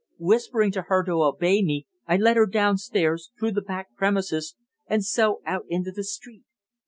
Whispering to her to obey me I led her downstairs, through the back premises, and so out into the street.